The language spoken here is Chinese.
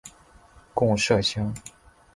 贡麝香。